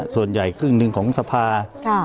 ส่วนใหญ่๑ขึ้นของทรภาพ